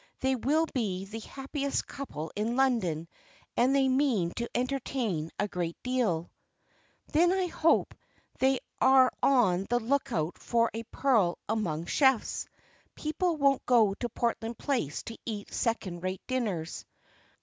They will be the happiest couple in London, and they mean to entertain a great deal." "Then I hope they are on the look out for a pearl among chefs. People won't go to Portland Place to eat second rate dinners."